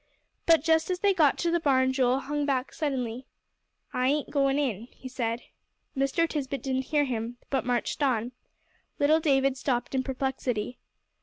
But just as they got to the barn Joel hung back suddenly. "I ain't goin' in," he said. Mr. Tisbett didn't hear him, but marched on. Little David stopped in perplexity.